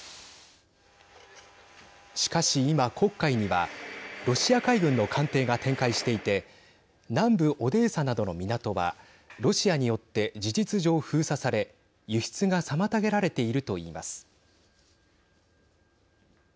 しかし今、黒海にはロシア海軍の艦艇が展開していて南部オデーサなどの港はロシアによって事実上封鎖され輸出が妨げられているといいます。